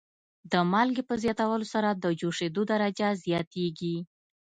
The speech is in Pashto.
د مالګې په زیاتولو سره د جوشیدو درجه زیاتیږي.